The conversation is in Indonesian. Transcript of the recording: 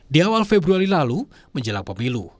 di awal februari lalu menjelang pemilu